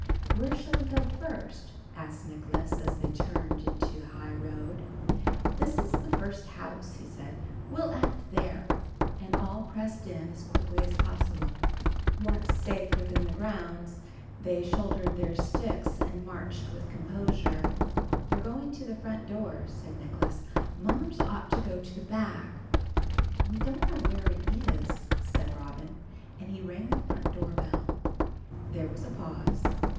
"Where shall we go first?" asked Nicholas, as they turned into the high road. "This is the first house," he said. "We'll act here;" and all pressed in as quickly as possible. Once safe within the grounds, they shouldered their sticks, and marched with composure. "You're going to the front door," said Nicholas. "Mummers ought to go to the back." "We don't know where it is," said Robin, and he rang the front door bell. There was a pause.